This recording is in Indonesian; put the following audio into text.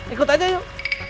ikut aja yuk